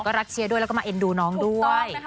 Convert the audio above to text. ก็รักเชียร์ด้วยแล้วก็มาเอ็นดูน้องด้วย